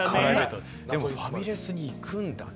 でもファミレスに行くんだね。